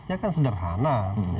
itu kan sederhana